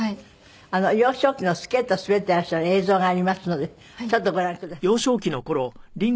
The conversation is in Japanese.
幼少期のスケートを滑っていらっしゃる映像がありますのでちょっとご覧ください。